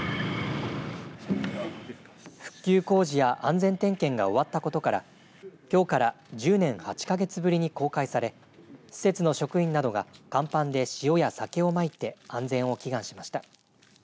復旧工事や安全点検が終わったことからきょうから１０年８か月ぶりに公開され施設の職員などが甲板で塩や酒をまいて安全を祈願しました。